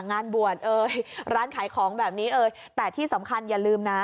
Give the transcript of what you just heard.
งานบวชเอ่ยร้านขายของแบบนี้เอ่ยแต่ที่สำคัญอย่าลืมนะ